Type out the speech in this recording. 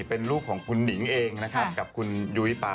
เป็นลูกของคุณหนิงเองนะครับกับคุณยุ้ยปา